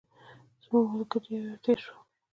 زموږ ملګري یو یو تېر شول.